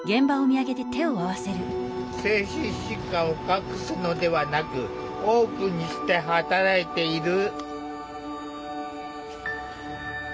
精神疾患を隠すのではなくオープンにして働いている。